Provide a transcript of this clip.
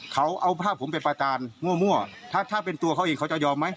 เขาเอาภาพผมไปประจานมั่วถ้าเป็นตัวเขาเองเขาจะยอมไหม